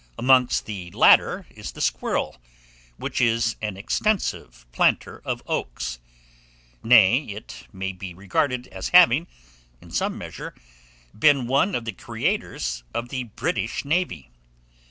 Amongst the latter is the squirrel, which is an extensive planter of oaks; nay, it may be regarded as having, in some measure, been one of the creators of the British navy.